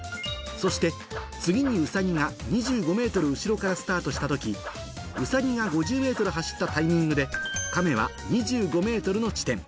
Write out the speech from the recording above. そして次にウサギが２５ｍ後ろからスタートした時ウサギが５０ｍ走ったタイミングでカメは２５ｍの地点